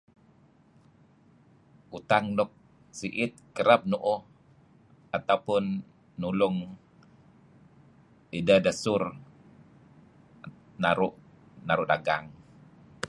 Utang nuk si'it kereb nu'uh atau pun nulung ideh desur naru' naru' dagang.